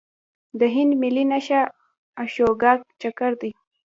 د هند ملي نښه اشوکا چکر دی.